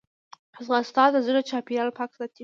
ځغاسته د زړه چاپېریال پاک ساتي